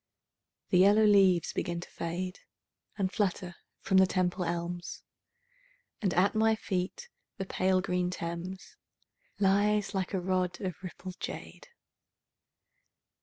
The yellow leaves begin to fade And flutter from the Temple elms, And at my feet the pale green Thames Lies like a rod of rippled jade.